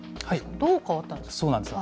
どう変わったんですか？